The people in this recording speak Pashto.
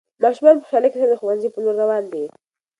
ماشومان په خوشحالۍ سره د ښوونځي په لور روان دي.